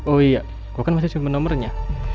oh iya kau kan masih simpen nomernya